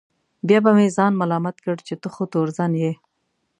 بیا به مې ځان ملامت کړ چې ته خو تورزن یې.